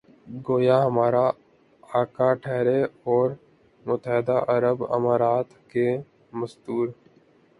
گویا ہمارے آقا ٹھہرے اور متحدہ عرب امارات کے مزدور۔